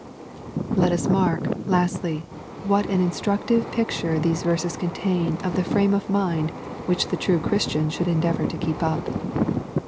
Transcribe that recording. Let us mark, lastly, what an instructive picture these verses contain of the frame of mind which the true ChriS" tian should endeavor to keep up.